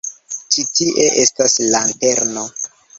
Ĉi tie estas lanterno.